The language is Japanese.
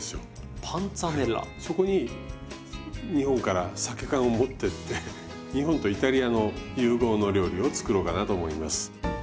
そこに日本からさけ缶を持ってって日本とイタリアの融合の料理を作ろうかなと思います。